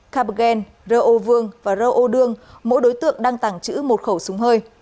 kapgen rô ô vương và rô ô đương mỗi đối tượng đang tàng trữ một khẩu súng hơi